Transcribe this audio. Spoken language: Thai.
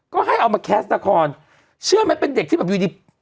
ก็ให้เอามาแคสต์ละครเชื่อไหมเป็นเด็กที่แบบอยู่ดี